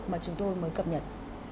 mà chúng tôi mới cập nhật